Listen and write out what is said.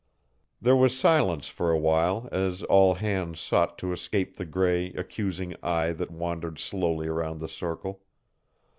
There was silence for a while as all hands sought to escape the gray, accusing eye that wandered slowly around the circle.